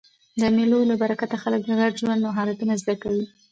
د مېلو له برکته خلک د ګډ ژوند مهارتونه زده کوي.